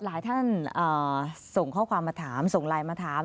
หลายท่านส่งข้อความมาถามส่งไลน์มาถาม